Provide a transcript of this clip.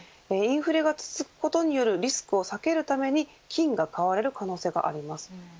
インフレが続くことによるリスクを避けるために金が買われる可能性があります。